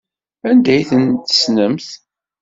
Anda ay ten-tessnemt?